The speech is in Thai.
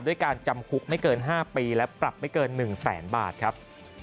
การจำคุกไม่เกิน๕ปีและปรับไม่เกิน๑แสนบาทครับ